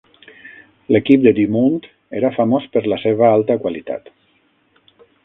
L'equip de DuMont era famós per la seva alta qualitat.